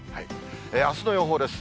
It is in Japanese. あすの予報です。